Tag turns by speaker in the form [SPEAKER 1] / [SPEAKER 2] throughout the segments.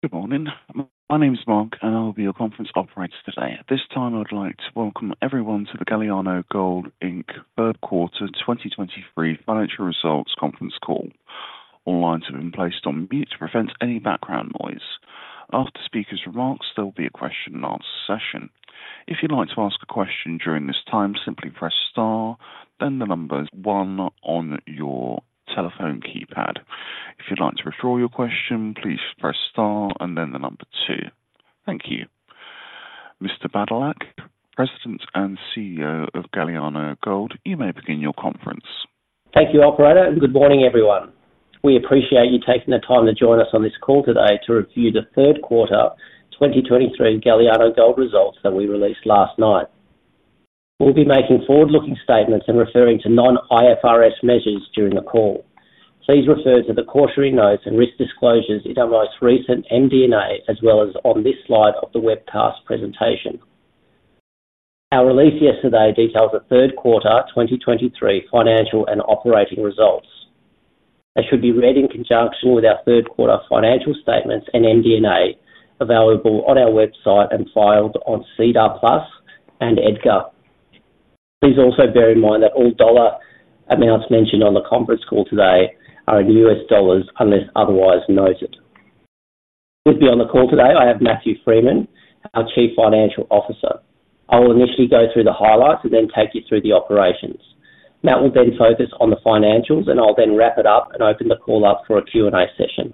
[SPEAKER 1] Good morning. My name is Mark, and I will be your conference operator today. At this time, I would like to welcome everyone to the Galiano Gold Inc. Third Quarter 2023 Financial Results Conference Call. All lines have been placed on mute to prevent any background noise. After the speaker's remarks, there will be a question and answer session. If you'd like to ask a question during this time, simply press star, then one on your telephone keypad. If you'd like to withdraw your question, please press star and then two. Thank you. Mr. Badylak, President and CEO of Galiano Gold, you may begin your conference.
[SPEAKER 2] Thank you, operator, and good morning, everyone. We appreciate you taking the time to join us on this call today to review the third quarter 2023 Galiano Gold results that we released last night. We'll be making forward-looking statements and referring to non-IFRS measures during the call. Please refer to the quarterly notes and risk disclosures in our most recent MD&A, as well as on this slide of the webcast presentation. Our release yesterday details the third quarter 2023 financial and operating results. They should be read in conjunction with our third quarter financial statements and MD&A, available on our website and filed on SEDAR+ and EDGAR. Please also bear in mind that all dollar amounts mentioned on the conference call today are in U.S. dollars, unless otherwise noted. With me on the call today, I have Matthew Freeman, our Chief Financial Officer. I will initially go through the highlights and then take you through the operations. Matt will then focus on the financials, and I'll then wrap it up and open the call up for a Q&A session.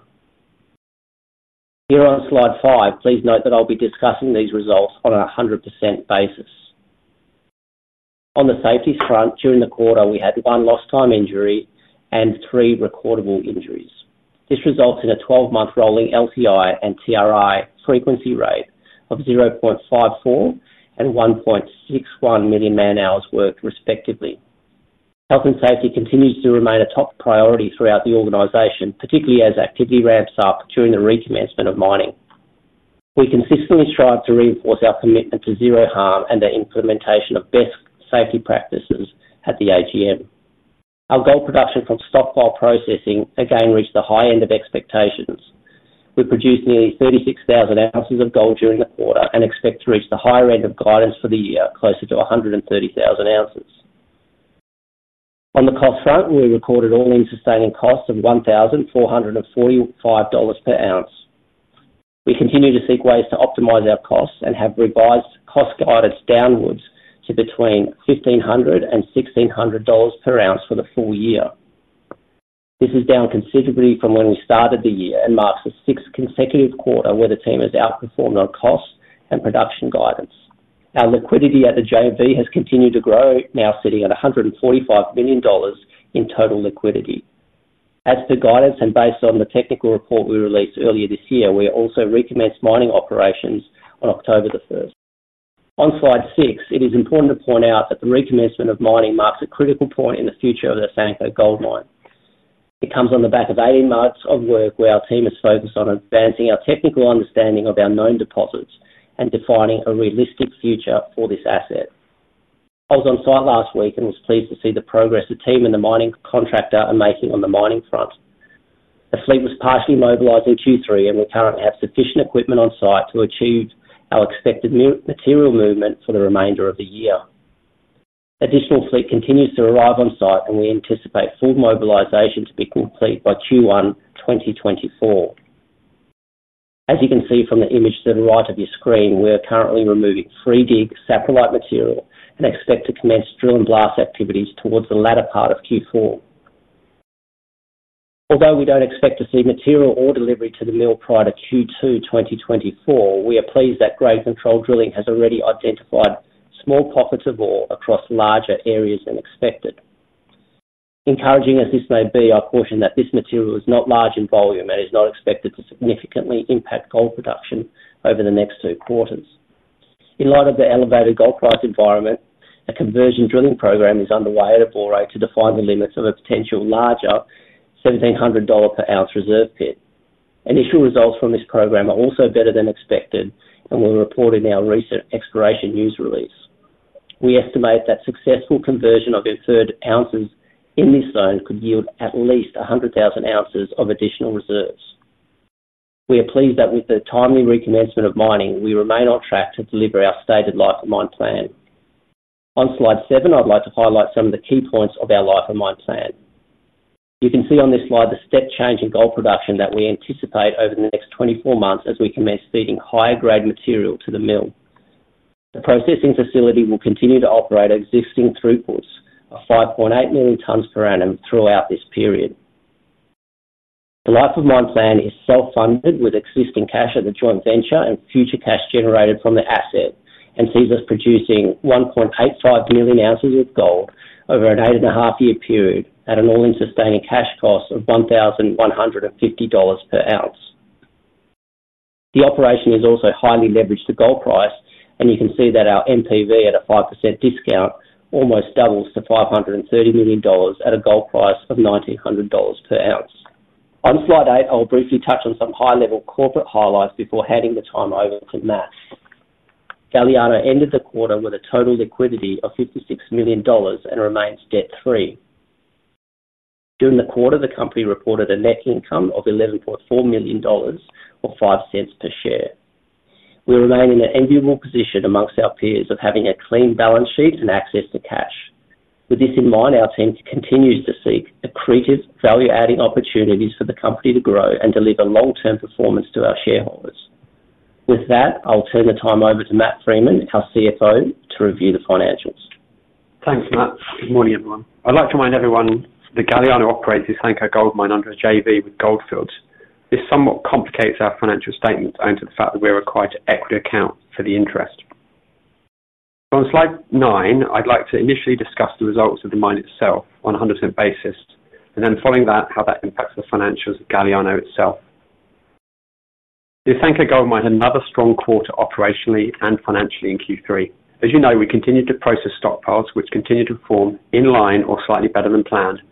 [SPEAKER 2] Here on slide five, please note that I'll be discussing these results on a 100% basis. On the safety front, during the quarter, we had one lost time injury and three recordable injuries. This results in a 12-month rolling LTI and TRI frequency rate of 0.541 million and 1.61 million man-hours worked, respectively. Health and safety continues to remain a top priority throughout the organization, particularly as activity ramps up during the recommencement of mining. We consistently strive to reinforce our commitment to zero harm and the implementation of best safety practices at the AGM. Our gold production from stockpile processing again reached the high end of expectations. We produced nearly 36,000 ounces of gold during the quarter and expect to reach the higher end of guidance for the year, closer to 130,000 ounces. On the cost front, we recorded all-in sustaining costs of $1,445 per ounce. We continue to seek ways to optimize our costs and have revised cost guidance downwards to between $1,500-$1,600 per ounce for the full year. This is down considerably from when we started the year and marks the sixth consecutive quarter where the team has outperformed on costs and production guidance. Our liquidity at the JV has continued to grow, now sitting at $145 million in total liquidity. As for guidance and based on the technical report we released earlier this year, we also recommenced mining operations on October 1. On slide six, it is important to point out that the recommencement of mining marks a critical point in the future of the Asanko Gold Mine. It comes on the back of 18 months of work, where our team is focused on advancing our technical understanding of our known deposits and defining a realistic future for this asset. I was on site last week and was pleased to see the progress the team and the mining contractor are making on the mining front. The fleet was partially mobilized in Q3, and we currently have sufficient equipment on site to achieve our expected material movement for the remainder of the year. Additional fleet continues to arrive on site, and we anticipate full mobilization to be complete by Q1 2024. As you can see from the image to the right of your screen, we are currently removing free dig saprolite material and expect to commence drill and blast activities towards the latter part of Q4. Although we don't expect to see material or delivery to the mill prior to Q2 2024, we are pleased that grade control drilling has already identified small pockets of ore across larger areas than expected. Encouraging as this may be, I caution that this material is not large in volume and is not expected to significantly impact gold production over the next two quarters. In light of the elevated gold price environment, a conversion drilling program is underway at Abore to define the limits of a potential larger $1,700 per ounce reserve pit. Initial results from this program are also better than expected and were reported in our recent exploration news release. We estimate that successful conversion of inferred ounces in this zone could yield at least 100,000 ounces of additional reserves. We are pleased that with the timely recommencement of mining, we remain on track to deliver our stated life of mine plan. On slide seven, I'd like to highlight some of the key points of our life of mine plan. You can see on this slide the step change in gold production that we anticipate over the next 24 months as we commence feeding higher-grade material to the mill. The processing facility will continue to operate existing throughputs of 5.8 million tonnes per annum throughout this period. The life of mine plan is self-funded, with existing cash at the joint venture and future cash generated from the asset, and sees us producing 1.85 million ounces of gold over an 8.5-year period at an all-in sustaining cash cost of $1,150 per ounce. The operation is also highly leveraged to gold price, and you can see that our NPV at a 5% discount almost doubles to $530 million at a gold price of $1,900 per ounce. On slide 8, I'll briefly touch on some high-level corporate highlights before handing the time over to Matt. Galiano ended the quarter with a total liquidity of $56 million and remains debt-free. During the quarter, the company reported a net income of $11.4 million or $0.05 per share. We remain in an enviable position among our peers of having a clean balance sheet and access to cash. With this in mind, our team continues to seek accretive, value-adding opportunities for the company to grow and deliver long-term performance to our shareholders. With that, I'll turn the time over to Matt Freeman, our CFO, to review the financials.
[SPEAKER 3] Thanks, Matt. Good morning, everyone. I'd like to remind everyone that Galiano operates the Asanko Gold Mine under a JV with Gold Fields. This somewhat complicates our financial statements owing to the fact that we are required to equity account for the interest. On slide 9, I'd like to initially discuss the results of the mine itself on a 100% basis, and then following that, how that impacts the financials of Galiano itself. The Asanko Gold Mine, another strong quarter operationally and financially in Q3. As you know, we continued to process stockpiles, which continued to perform in line or slightly better than planned,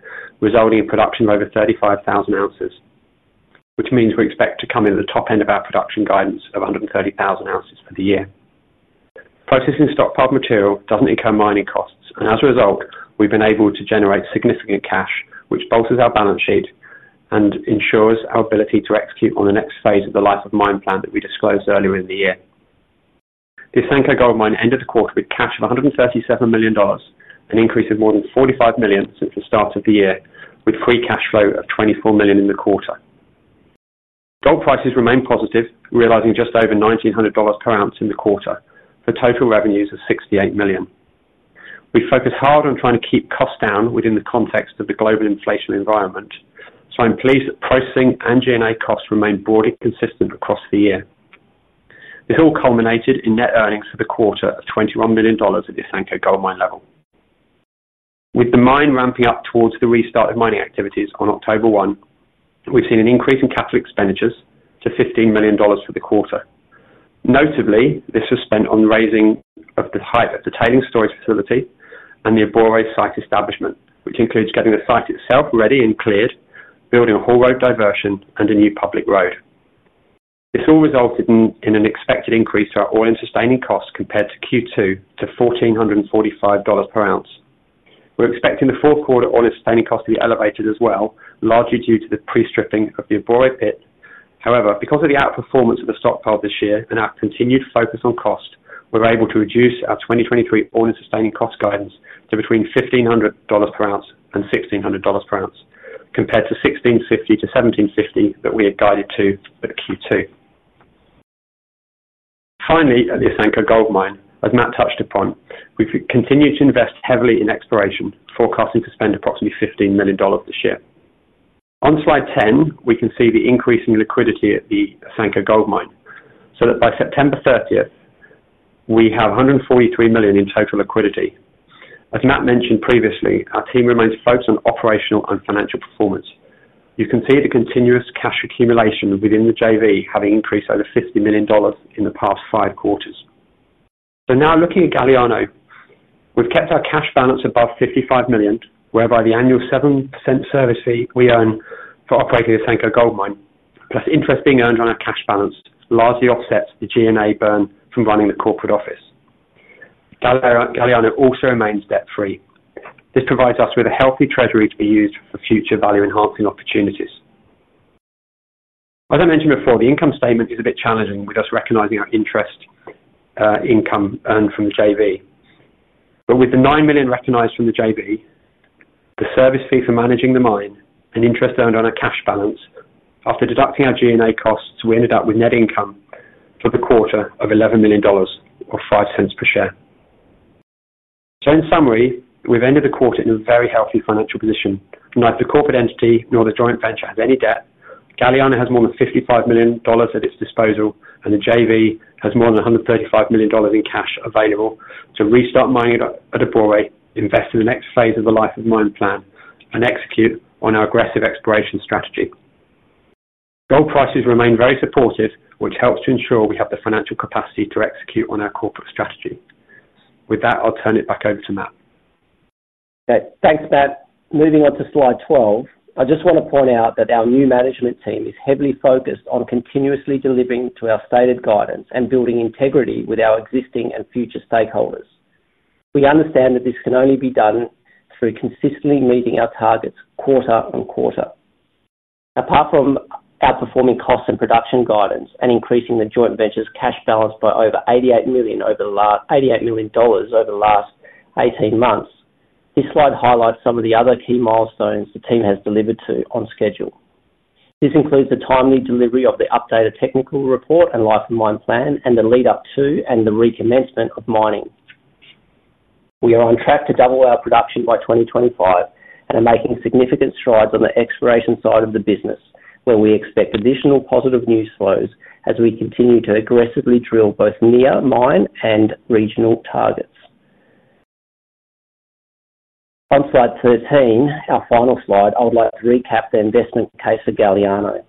[SPEAKER 3] resulting in production of over 35,000 ounces, which means we expect to come in at the top end of our production guidance of 130,000 ounces for the year. Processing stockpile material doesn't incur mining costs, and as a result, we've been able to generate significant cash, which bolsters our balance sheet and ensures our ability to execute on the next phase of the life of mine plan that we disclosed earlier in the year. The Asanko Gold Mine ended the quarter with cash of $137 million, an increase of more than $45 million since the start of the year, with free cash flow of $24 million in the quarter. Gold prices remained positive, realizing just over $1,900 per ounce in the quarter for total revenues of $68 million. We focused hard on trying to keep costs down within the context of the global inflation environment, so I'm pleased that processing and G&A costs remained broadly consistent across the year. This all culminated in net earnings for the quarter of $21 million at the Asanko Gold Mine level. With the mine ramping up towards the restart of mining activities on October 1, we've seen an increase in capital expenditures to $15 million for the quarter. Notably, this was spent on raising of the height of the tailings storage facility and the Abore site establishment, which includes getting the site itself ready and cleared, building a haul road diversion, and a new public road. This all resulted in an expected increase to our all-in sustaining costs compared to Q2 to $1,445 per ounce. We're expecting the fourth quarter all-in sustaining cost to be elevated as well, largely due to the pre-stripping of the Abore pit. However, because of the outperformance of the stockpile this year and our continued focus on cost, we're able to reduce our 2023 all-in sustaining cost guidance to between $1,500 per ounce and $1,600 per ounce, compared to $1,650-$1,750 that we had guided to at Q2. Finally, at the Asanko Gold Mine, as Matt touched upon, we've continued to invest heavily in exploration, forecasting to spend approximately $15 million this year. On slide 10, we can see the increase in liquidity at the Asanko Gold Mine, so that by September thirtieth, we have 143 million in total liquidity. As Matt mentioned previously, our team remains focused on operational and financial performance. You can see the continuous cash accumulation within the JV, having increased over $50 million in the past five quarters. So now looking at Galiano, we've kept our cash balance above $55 million, whereby the annual 7% service fee we earn for operating the Asanko Gold Mine, plus interest being earned on our cash balance, largely offsets the G&A burn from running the corporate office. Galiano also remains debt-free. This provides us with a healthy treasury to be used for future value-enhancing opportunities. As I mentioned before, the income statement is a bit challenging with us recognizing our interest income earned from the JV. But with the $9 million recognized from the JV, the service fee for managing the mine, and interest earned on our cash balance, after deducting our G&A costs, we ended up with net income for the quarter of $11 million or $0.05 per share. So in summary, we've ended the quarter in a very healthy financial position. Neither the corporate entity nor the joint venture has any debt. Galiano has more than $55 million at its disposal, and the JV has more than $135 million in cash available to restart mining at Abore, invest in the next phase of the life of mine plan, and execute on our aggressive exploration strategy. Gold prices remain very supportive, which helps to ensure we have the financial capacity to execute on our corporate strategy. With that, I'll turn it back over to Matt.
[SPEAKER 2] Okay, thanks, Matt. Moving on to slide 12, I just want to point out that our new management team is heavily focused on continuously delivering to our stated guidance and building integrity with our existing and future stakeholders. We understand that this can only be done through consistently meeting our targets quarter-over-quarter. Apart from outperforming cost and production guidance and increasing the joint venture's cash balance by over $88 million dollars over the last 18 months, this slide highlights some of the other key milestones the team has delivered to on schedule. This includes the timely delivery of the updated technical report and life of mine plan, and the lead up to and the recommencement of mining. We are on track to double our production by 2025, and are making significant strides on the exploration side of the business, where we expect additional positive news flows as we continue to aggressively drill both near mine and regional targets. On slide 13, our final slide, I would like to recap the investment case for Galiano.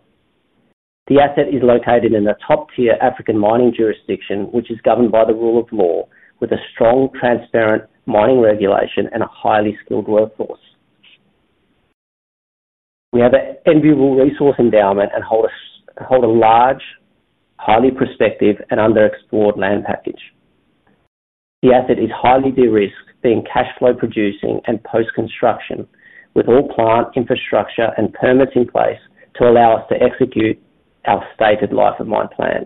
[SPEAKER 2] The asset is located in a top-tier African mining jurisdiction, which is governed by the rule of law, with a strong, transparent mining regulation and a highly skilled workforce. We have an enviable resource endowment and hold a large, highly prospective, and underexplored land package. The asset is highly de-risked, being cash flow producing and post-construction, with all plant, infrastructure, and permits in place to allow us to execute our stated life of mine plan.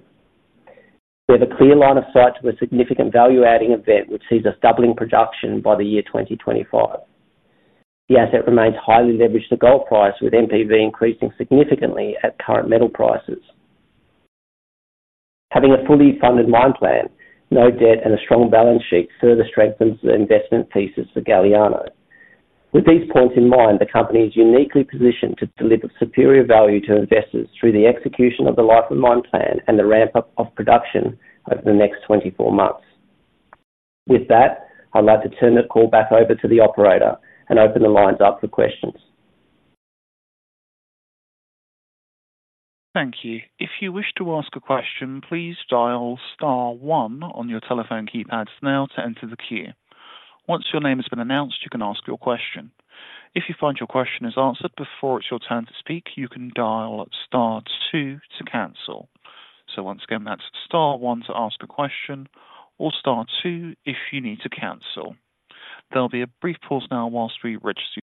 [SPEAKER 2] We have a clear line of sight to a significant value-adding event, which sees us doubling production by the year 2025. The asset remains highly leveraged to gold price, with NPV increasing significantly at current metal prices. Having a fully funded mine plan, no debt, and a strong balance sheet further strengthens the investment thesis for Galiano. With these points in mind, the company is uniquely positioned to deliver superior value to investors through the execution of the life of mine plan and the ramp-up of production over the next 24 months. With that, I'd like to turn the call back over to the operator and open the lines up for questions.
[SPEAKER 1] Thank you. If you wish to ask a question, please dial star one on your telephone keypads now to enter the queue. Once your name has been announced, you can ask your question. If you find your question is answered before it's your turn to speak, you can dial star two to cancel. So once again, that's star one to ask a question, or star two if you need to cancel. There'll be a brief pause now while we register.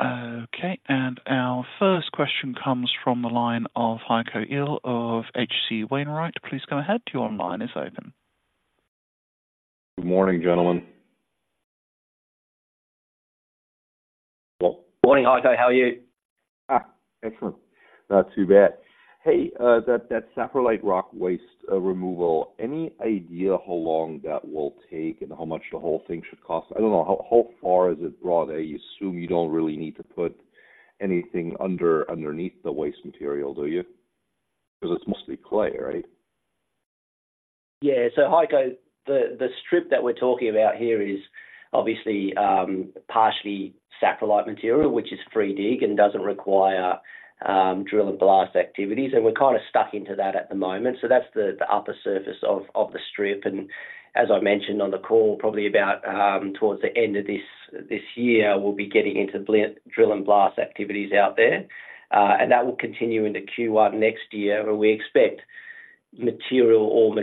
[SPEAKER 1] Okay, and our first question comes from the line of Heiko Ihle of H.C. Wainwright. Please go ahead. Your line is open.
[SPEAKER 4] Good morning, gentlemen.
[SPEAKER 2] Well, morning, Heiko. How are you?
[SPEAKER 4] Ah, excellent. Not too bad. Hey, that saprolite rock waste removal, any idea how long that will take and how much the whole thing should cost? I don't know, how far is it broad? I assume you don't really need to put anything under, underneath the waste material, do you? Because it's mostly clay, right?
[SPEAKER 2] Yeah. So Heiko, the strip that we're talking about here is obviously partially saprolite material, which is free dig and doesn't require drill and blast activities, and we're kind of stuck into that at the moment. So that's the upper surface of the strip. And as I mentioned on the call, probably about towards the end of this year, we'll be getting into drill and blast activities out there. And that will continue into Q1 next year, where we expect material or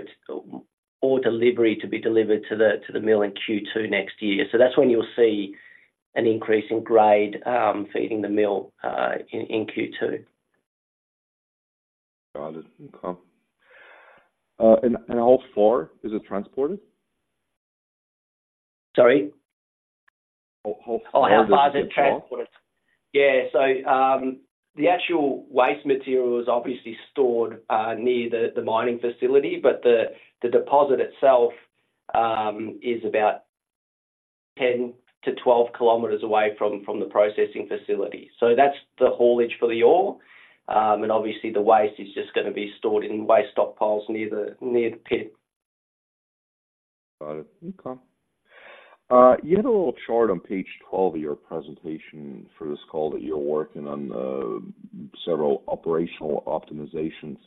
[SPEAKER 2] delivery to be delivered to the mill in Q2 next year. So that's when you'll see an increase in grade feeding the mill in Q2.
[SPEAKER 4] Got it. Okay. And how far is it transported?
[SPEAKER 2] Sorry?
[SPEAKER 4] How far-
[SPEAKER 2] Oh, how far is it transported? Yeah. So, the actual waste material is obviously stored near the mining facility, but the deposit itself is about 10 km-12 km away from the processing facility. So that's the haulage for the ore, and obviously the waste is just gonna be stored in waste stockpiles near the pit.
[SPEAKER 4] Got it. Okay. You had a little chart on page 12 of your presentation for this call that you're working on several operational optimizations.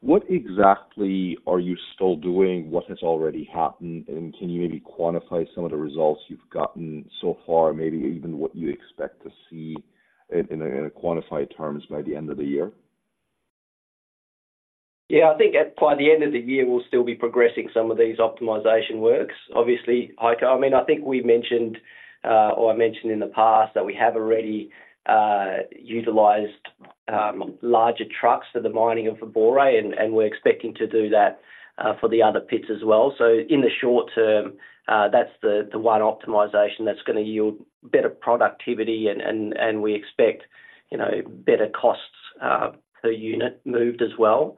[SPEAKER 4] What exactly are you still doing? What has already happened? And can you maybe quantify some of the results you've gotten so far, maybe even what you expect to see in a quantified terms by the end of the year?
[SPEAKER 2] Yeah, I think at by the end of the year, we'll still be progressing some of these optimization works. Obviously, Heiko, I mean, I think we mentioned or I mentioned in the past that we have already utilized larger trucks for the mining of Obore, and we're expecting to do that for the other pits as well. So in the short term, that's the one optimization that's gonna yield better productivity, and we expect, you know, better costs per unit moved as well.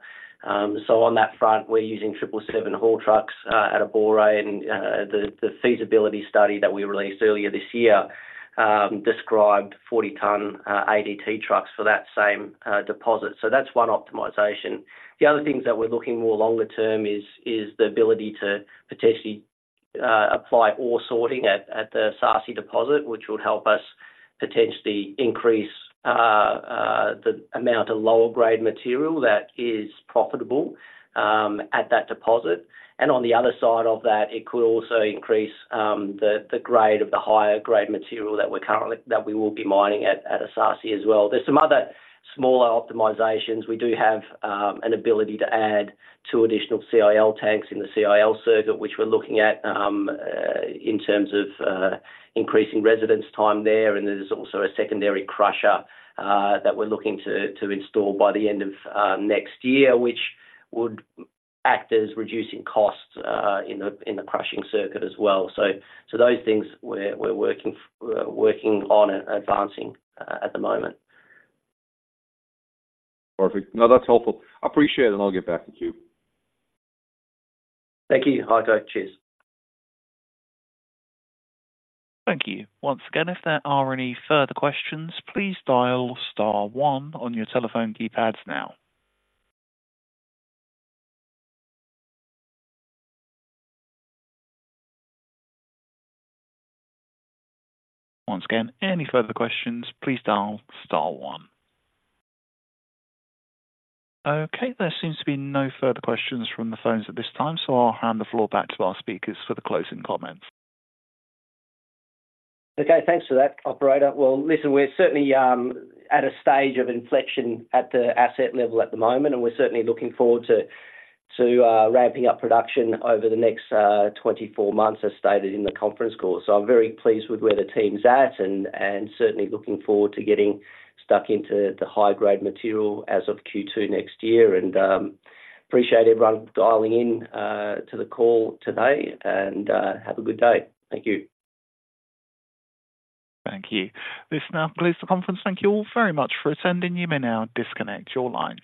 [SPEAKER 2] So on that front, we're using triple seven haul trucks at Obore, and the feasibility study that we released earlier this year described 40-ton ADT trucks for that same deposit. So that's one optimization. The other things that we're looking more longer term is the ability to potentially apply ore sorting at the Esaase deposit, which would help us potentially increase the amount of lower grade material that is profitable at that deposit. And on the other side of that, it could also increase the grade of the higher grade material that we're currently, that we will be mining at Esaase as well. There's some other smaller optimizations. We do have an ability to add two additional CIL tanks in the CIL circuit, which we're looking at in terms of increasing residence time there. And there's also a secondary crusher that we're looking to install by the end of next year, which would act as reducing costs in the crushing circuit as well. So those things we're working on and advancing at the moment.
[SPEAKER 4] Perfect. No, that's helpful. I appreciate it, and I'll get back to you.
[SPEAKER 2] Thank you, Heiko. Cheers.
[SPEAKER 1] Thank you. Once again, if there are any further questions, please dial star one on your telephone keypads now. Once again, any further questions, please dial star one. Okay, there seems to be no further questions from the phones at this time, so I'll hand the floor back to our speakers for the closing comments.
[SPEAKER 2] Okay, thanks for that, operator. Well, listen, we're certainly at a stage of inflection at the asset level at the moment, and we're certainly looking forward to ramping up production over the next 24 months, as stated in the conference call. So I'm very pleased with where the team's at and certainly looking forward to getting stuck into the high-grade material as of Q2 next year. And appreciate everyone dialing in to the call today, and have a good day. Thank you.
[SPEAKER 1] Thank you. This now closes the conference. Thank you all very much for attending. You may now disconnect your lines.